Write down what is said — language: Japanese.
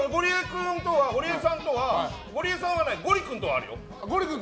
ゴリエさんとはないけどゴリ君とはあるよ。